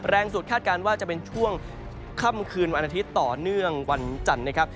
สุดคาดการณ์ว่าจะเป็นช่วงค่ำคืนวันอาทิตย์ต่อเนื่องวันจันทร์นะครับ